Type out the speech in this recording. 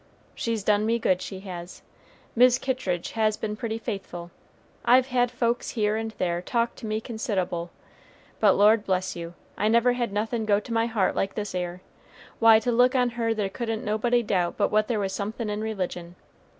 She's done me good, she has. Mis' Kittridge has been pretty faithful. I've had folks here and there talk to me consid'able, but Lord bless you, I never had nothin' go to my heart like this 'ere Why to look on her there couldn't nobody doubt but what there was somethin' in religion.